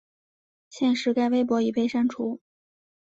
现时该微博已被删除。